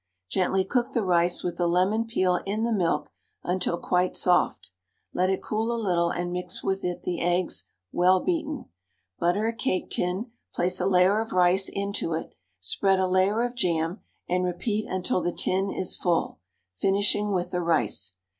Gently cook the rice with the lemon peel in the milk, until quite soft; let it cool a little and mix with it the eggs, well beaten. Butter a cake tin, place a layer of rice into it, spread a layer of jam, and repeat until the tin is full, finishing with the rice.